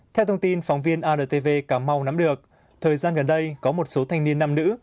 theo thông tin phóng viên antv cà mau nắm được thời gian gần đây có một số thanh niên nam nữ